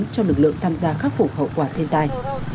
cho lực lượng tham gia khắc phục hậu quả thiên tai